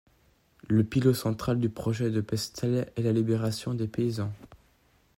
Le pivot central du projet de Pestel est la libération des paysans.